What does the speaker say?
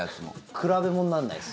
比べものにならないです。